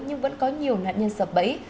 nhưng vẫn có nhiều nạn nhân sập bẫy